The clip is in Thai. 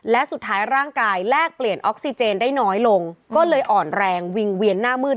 และสุดท้ายร่างกายแลกเปลี่ยนออกซิเจนได้น้อยลงก็เลยอ่อนแรงวิ่งเวียนหน้ามืด